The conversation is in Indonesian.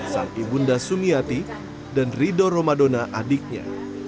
sang ibunda suniati dan rido romadona adiknya